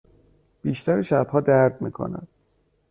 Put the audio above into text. بیشتر شبها درد می کند.